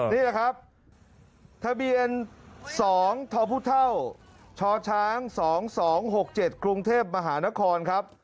นี่แหละครับทะเบียน๒ทพชช๒๒๖๗กรุงเทพมหานครครับ